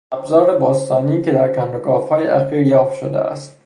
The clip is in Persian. ابزار باستانی که در کندوکاوهای اخیر یافت شده است